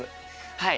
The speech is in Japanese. はい。